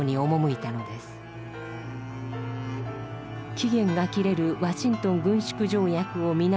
期限が切れるワシントン軍縮条約を見直す交渉。